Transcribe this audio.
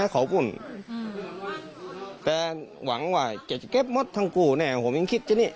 ขอบคุณแต่หวังว่าจะเก็บหมดทั้งคู่แน่ผมยังคิดที่นี่